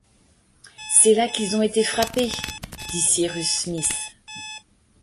C’est là qu’ils ont été frappés! dit Cyrus Smith.